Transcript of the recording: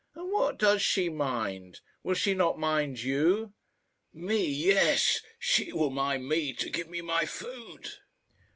"And what does she mind? Will she not mind you?" "Me; yes she will mind me, to give me my food."